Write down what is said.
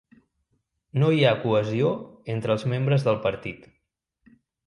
No hi ha cohesió entre els membres del partit.